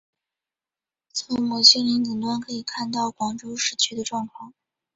从摩星岭顶端可以看到广州市区的状况。